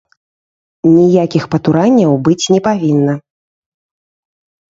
Ніякіх патуранняў быць не павінна!